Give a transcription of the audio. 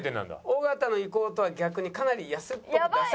尾形の意向とは逆にかなり安っぽくてダサい。